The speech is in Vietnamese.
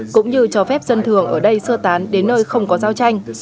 cũng như cho phép dân thường ở đây sơ tán đến nơi không có giao tranh